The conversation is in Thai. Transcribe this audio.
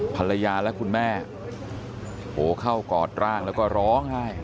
ภรรยาและคุณแม่เข้ากอดร่างแล้วก็ร้องไห้